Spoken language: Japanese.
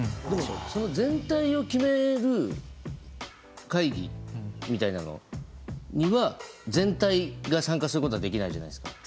その全体を決める会議みたいなのには全体が参加することはできないじゃないですか？